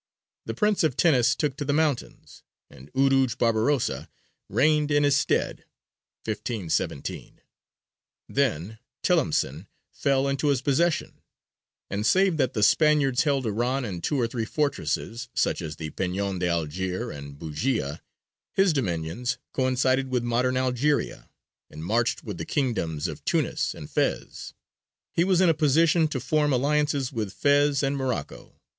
The prince of Tinnis took to the mountains, and Urūj Barbarossa reigned in his stead (1517). Then Tilimsān fell into his possession, and save that the Spaniards held Oran and two or three fortresses, such as the Peñon de Alger and Bujēya, his dominions coincided with modern Algeria, and marched with the kingdoms of Tunis and Fez. He was in a position to form alliances with Fez and Morocco.